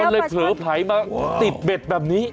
มันเลยเผลอไผลมาติดเบ็ดแบบนี้